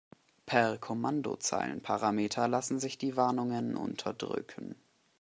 Per Kommandozeilenparameter lassen sich die Warnungen unterdrücken.